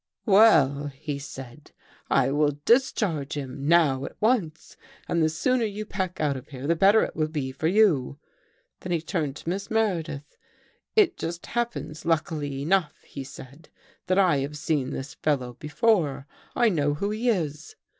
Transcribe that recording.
"'Well,' he said, 'I will discharge him — now — at once. And the sooner you pack out of here the better it will be for you.' " Then he turned to Miss Meredith. ' It just happens, luckily enough,' he said, ' that I have seen this fellow before. I know who he is.